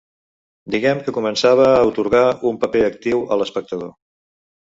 Diguem que començava a atorgar un paper actiu a l'espectador.